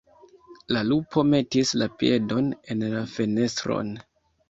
La lupo metis la piedon en la fenestron.